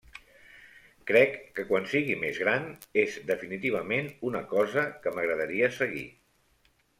Crec que quan sigui més gran, és definitivament una cosa que m'agradaria seguir.